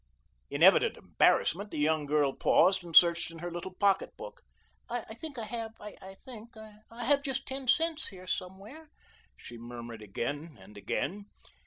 In evident embarrassment, the young girl paused and searched in her little pocketbook. "I think I have I think I have just ten cents here somewhere," she murmured again and again.